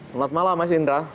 selamat malam mas indra